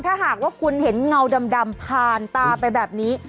ถ้าหากว่าคุณเห็นเงาดำผ่านตาไปแบบนี้